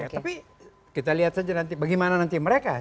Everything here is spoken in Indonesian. tapi kita lihat saja nanti bagaimana nanti mereka